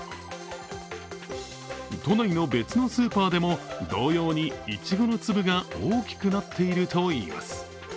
都内の別のスーパーでも同様にいちごの粒が大きくなっているといいます。